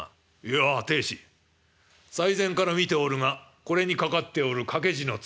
「やあ亭主最前から見ておるがこれに掛かっておる掛け字の鶴